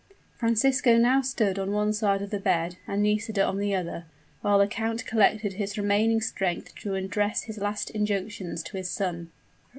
Francisco now stood on one side of the bed, and Nisida on the other; while the count collected his remaining strength to address his last injunctions to his son.